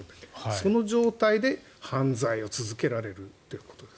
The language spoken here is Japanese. その状態で犯罪を続けられるということです。